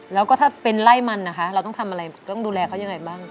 แล้วก็ถ้าเป็นไล่มันนะคะเราต้องทำอะไรต้องดูแลเขายังไงบ้าง